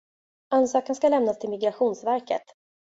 Ansökan ska lämnas till Migrationsverket.